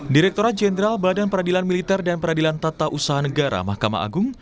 direkturat jenderal badan peradilan militer dan peradilan tata usaha negara mahkamah agung